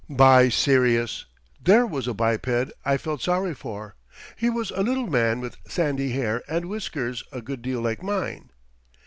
By Sirius! there was a biped I felt sorry for. He was a little man with sandy hair and whiskers a good deal like mine.